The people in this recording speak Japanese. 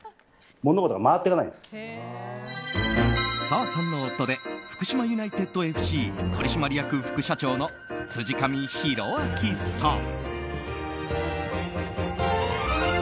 澤さんの夫で福島ユナイテッドＦＣ取締役副社長の辻上裕章さん。